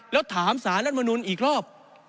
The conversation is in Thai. แล้วถามสารรัฐมนุนอีกรอบ